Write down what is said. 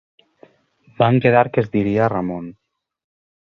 Van quedar que es diria Ramon